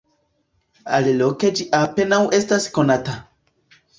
Aliloke ĝi apenaŭ estas konata.